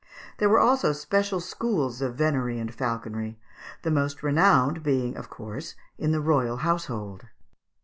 There were also special schools of venery and falconry, the most renowned being of course in the royal household.